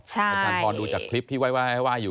อาจารย์ทอนดูจากคลิปที่ว่ายอยู่